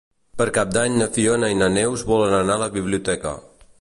Per Cap d'Any na Fiona i na Neus volen anar a la biblioteca.